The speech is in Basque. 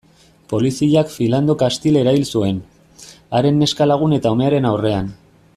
Poliziak Philando Castile erail zuen, haren neska-lagun eta umearen aurrean.